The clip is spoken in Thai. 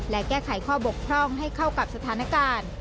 และแก้ไขข้อบกพร่องให้เข้ากับสถานการณ์